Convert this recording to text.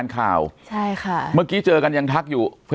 สวัสดีครับทุกผู้ชม